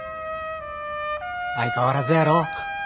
相変わらずやろ？